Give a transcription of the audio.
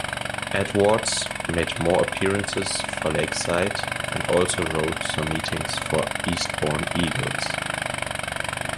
Edwards made more appearances for Lakeside and also rode some meetings for Eastbourne Eagles.